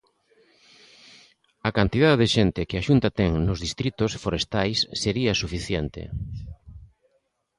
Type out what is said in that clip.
A cantidade de xente que a Xunta ten nos distritos forestais sería suficiente.